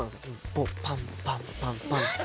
ボンパンパンパンパン・何？